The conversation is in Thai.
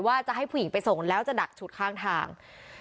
ว่าจะให้ผู้หญิงไปส่งแล้วจะดักชุดข้างทาง